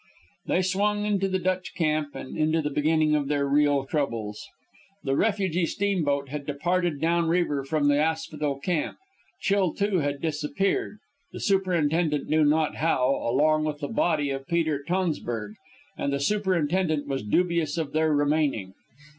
They swung into the Dutch camp and into the beginning of their real troubles. The refugee steamboat had departed down river from the Asphodel camp; Chill II had disappeared, the superintendent knew not how, along with the body of Peter Tonsburg; and the superintendent was dubious of their remaining.